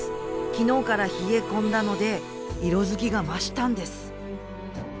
昨日から冷え込んだので色づきが増したんです。